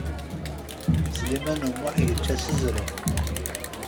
Sliman U Muḥ yečča s zreb.